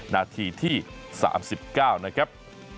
นาทีที่๓๙นะครับ